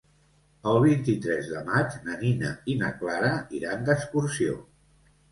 El vint-i-tres de maig na Nina i na Clara iran d'excursió.